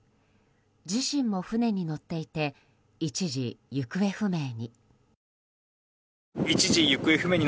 自身も船に乗っていて一時、行方不明に。